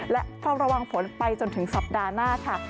และเฝ้าระวังฝนไปจนถึงสัปดาห์หน้าค่ะ